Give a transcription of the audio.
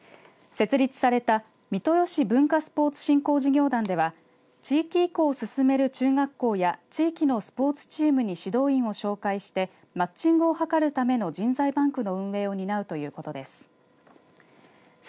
設立された三豊市文化・スポーツ振興事業団では地域移行を進める中学校や地域のスポーツチームに指導員を紹介してマッチングを図るための人材バンクの運営を担うということです。